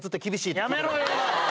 やめろよ！